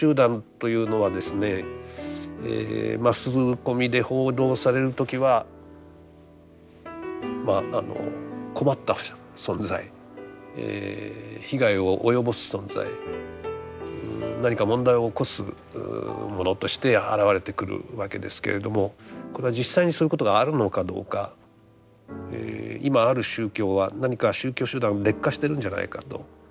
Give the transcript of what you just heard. マスコミで報道される時はまああの困った存在被害を及ぼす存在何か問題を起こすものとして現れてくるわけですけれどもこれは実際にそういうことがあるのかどうか今ある宗教は何か宗教集団劣化しているんじゃないかと。